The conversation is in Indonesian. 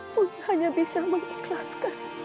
aku hanya bisa mengikhlaskan